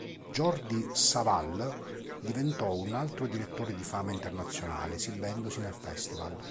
Jordi Savall diventò un altro direttore di fama internazionale esibendosi nel festival.